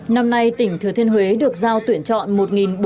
năm nay tỉnh thừa thiên huế được giao tuyển chọn